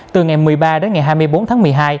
từ ngày một mươi ba đến ngày hai mươi bốn tháng một mươi hai